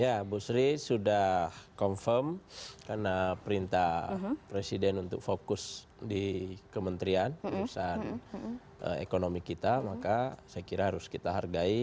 ya bu sri sudah confirm karena perintah presiden untuk fokus di kementerian urusan ekonomi kita maka saya kira harus kita hargai